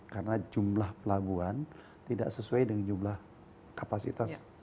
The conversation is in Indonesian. karena jumlah pelaguan tidak sesuai dengan jumlah kapasitas